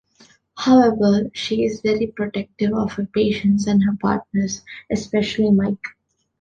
However, she is very protective of her patients and her partners, especially Mike.